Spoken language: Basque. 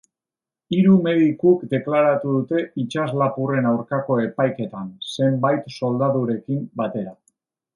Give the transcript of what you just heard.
Hiru medikuk deklaratu dute itsaslapurren aurkako epaiketan, zenbait soldadurekin batera.